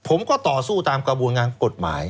ต่อสู้ตามกระบวนงานกฎหมาย